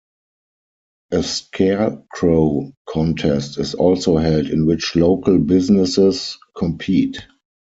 A scarecrow contest is also held in which local businesses compete.